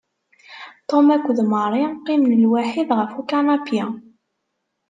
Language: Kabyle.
Tom akked Mary qqimen lwaḥid ɣef ukanapi.